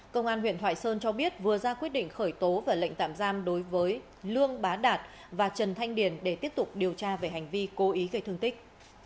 công an huyện thoại sơn cho biết vừa ra quyết định khởi tố và lệnh tạm giam đối với lương bá đạt và trần thanh điền để tiếp tục điều tra về hành vi cố ý gây thương tích